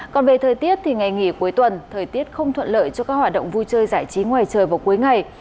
còn về thời tiết thì ngày nghỉ cuối tuần thời tiết không thuận lợi cho các hoạt động vui chơi giải trí ngoài trời vào cuối ngày